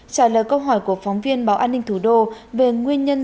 trả lời câu hỏi của phóng viên báo an ninh thủ đô về nguyên nhân